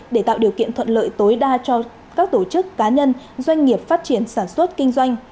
để tạo điều kiện thuận lợi tối đa cho các tổ chức cá nhân doanh nghiệp phát triển sản xuất kinh doanh